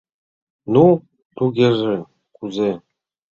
Ну, тугеже кузе?